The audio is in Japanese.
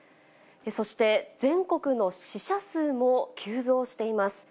そして、全国の死者数も急増しています。